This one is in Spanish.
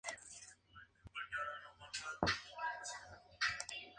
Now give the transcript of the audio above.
Fue enterrado en la iglesia de Cristo Burial Ground en Filadelfia.